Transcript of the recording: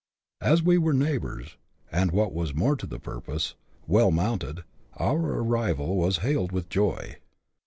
As we were neighbours, and, what was more to the purpose, well mounted, our arrival was hailed with joy.